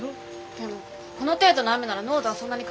でもこの程度の雨なら濃度はそんなに変わんないよ。